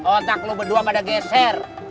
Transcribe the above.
otak lo berdua pada geser